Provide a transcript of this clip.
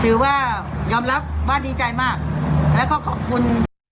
ถือว่ายอมรับว่าดีใจมากแล้วก็ขอบคุณ